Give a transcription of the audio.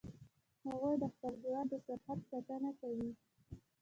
هغوی د خپل هیواد د سرحد ساتنه کوي